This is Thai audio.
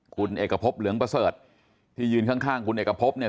คุณเอกพบเหลืองประเสริฐที่ยืนข้างคุณเอกพบเนี่ย